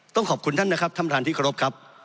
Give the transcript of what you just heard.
ต้องขอบคุณท่านนะครับท่านประธานที่เคารพครับ